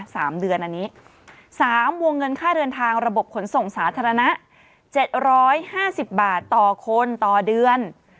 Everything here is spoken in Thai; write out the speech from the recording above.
สามเดือนอันนี้สามวงเงินค่าเดินทางระบบขนส่งสาธารณะเจ็ดร้อยห้าสิบบาทต่อคนต่อเดือน